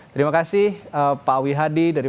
terima kasih pak wi hadi